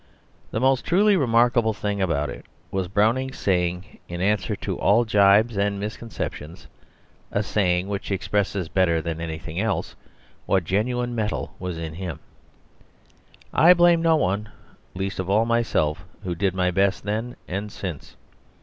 The most truly memorable thing about it was Browning's saying in answer to all gibes and misconceptions, a saying which expresses better than anything else what genuine metal was in him, "I blame no one, least of all myself, who did my best then and since."